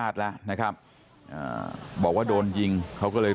ผมยังอยากรู้ว่าว่ามันไล่ยิงคนทำไมวะ